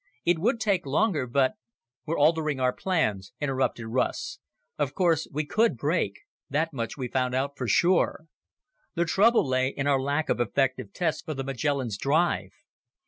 It would take longer, but...." "We're altering our plans," interrupted Russ. "Of course, we could brake that much we found out for sure. The trouble lay in our lack of effective tests for the Magellan's drive.